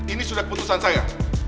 ini sudah keputusan saya